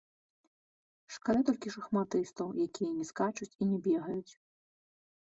Шкада толькі шахматыстаў, якія не скачуць і не бегаюць.